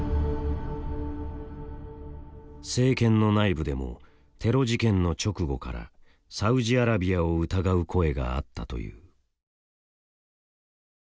政権の内部でもテロ事件の直後からサウジアラビアを疑う声があったという。